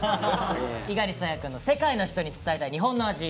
猪狩蒼弥くんの「世界の人に伝えたい日本の味」